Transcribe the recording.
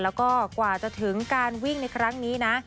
แล้วก็กว่าจะถึงการวิ่งในครั้งนี้นะ